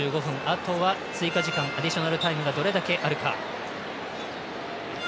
あとは追加時間アディショナルタイムがどれだけあるか。